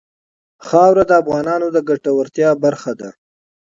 خاوره د افغانانو د ګټورتیا برخه ده.